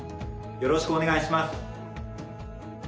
よろしくお願いします。